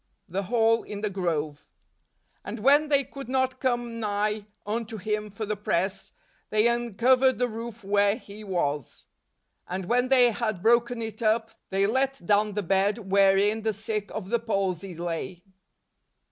The Hall in the Grove. " And when they could not come nigh unto him for the press, they uncovered the roof where he was : and when they had broken it up, they let down the led wherein the sick of the palsy lay."